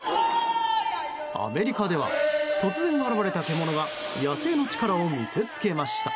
アメリカでは突然現れた獣が野生の力を見せつけました。